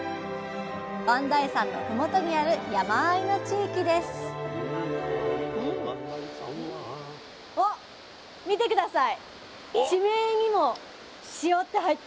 磐梯山のふもとにある山あいの地域ですおっ見て下さい。